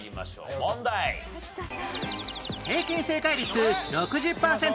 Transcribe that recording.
平均正解率６０パーセント